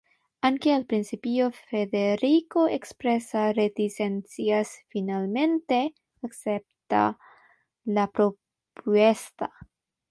Aunque al principio Federico expresa reticencias, finalmente acepta la propuesta.